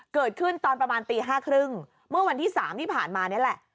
เกิดขึ้นตอนประมาณตีห้าครึ่งเมื่อวันที่สามที่ผ่านมานี่แหละ